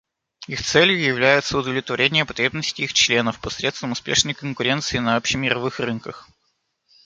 Их целью является удовлетворение потребностей их членов посредством успешной конкуренции на общемировых рынках.